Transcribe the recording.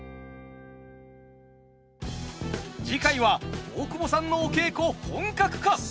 次回は大久保さんのお稽古本格化。